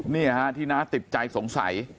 นี่ฮะที่น้าติดใจสงสัย